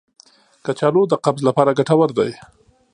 کچالو د قبض لپاره ګټور دی.